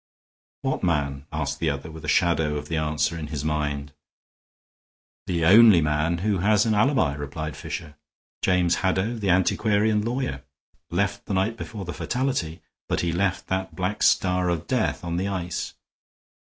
"What man?" asked the other, with a shadow of the answer in his mind. "The only man who has an alibi," replied Fisher. "James Haddow, the antiquarian lawyer, left the night before the fatality, but he left that black star of death on the ice.